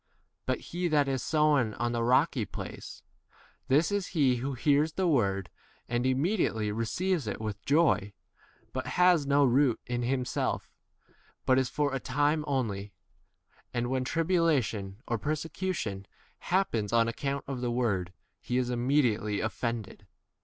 But he that is sown on the rocky place — this is he who hears the word and imme 21 diately receives it with joy, but has no root in himself, but is for a time only ; and when tribulation or persecution happens on account of the word, he is immediately 23 offended.